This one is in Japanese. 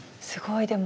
すごい。